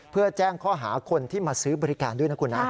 เพื่อแจ้งข้อหาคนที่มาซื้อบริการด้วยนะคุณนะ